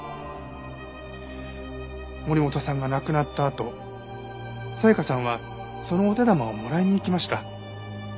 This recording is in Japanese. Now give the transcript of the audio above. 森本さんが亡くなったあと紗香さんはそのお手玉をもらいに行きました。